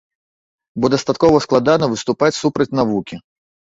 Бо дастаткова складана выступаць супраць навукі.